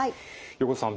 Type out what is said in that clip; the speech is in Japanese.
横手さん